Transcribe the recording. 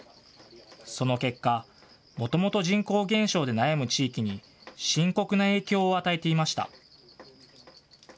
その結果、もともと人口減少で悩む地域に深刻な影響を与えていました。